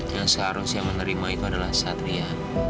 yang seharusnya menerima itu adalah satria